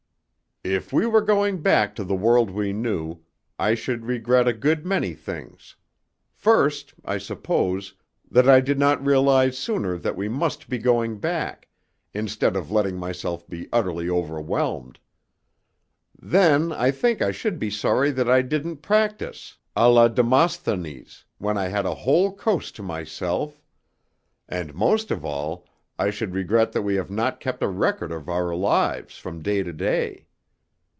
"If we were going back to the world we know, I should regret a good many things; first, I suppose, that I did not realize sooner that we must be going back, instead of letting myself be utterly overwhelmed. Then I think I should be sorry that I didn't practise, à la Demosthenes, when I had a whole coast to myself, and most of all I should regret that we have not kept a record of our lives from day to day.